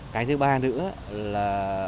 cái thứ ba nữa là